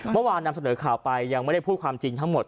นำเสนอข่าวไปยังไม่ได้พูดความจริงทั้งหมด